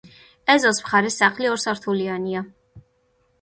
ეზოს მხარეს სახლი ორსართულიანია.